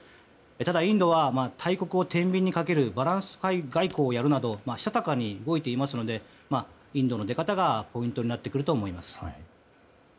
ただ、インドは大国を天秤にかけるバランス外交でしたたかに動いていますのでインドの出方がポイントになってくると思います。